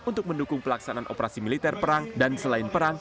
untuk mendukung pelaksanaan operasi militer perang dan selain perang